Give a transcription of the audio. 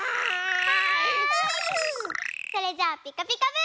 それじゃあ「ピカピカブ！」。